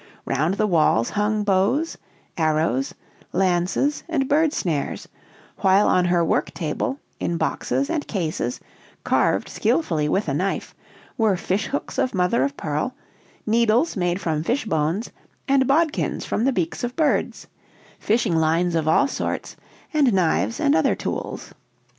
Round the walls hung bows, arrows, lances, and bird snares; while on her work table, in boxes and cases, carved skillfully with a knife, were fish hooks of mother of pearl, needles made from fish bones, and bodkins from the beaks of birds, fishing lines of all sorts, and knives and other tools.